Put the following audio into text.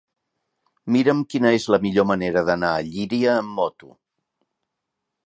Mira'm quina és la millor manera d'anar a Llíria amb moto.